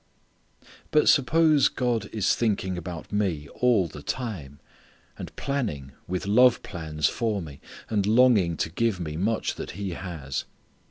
But suppose God is thinking about me all the time, and planning, with love plans for me, and longing to give me much that He has.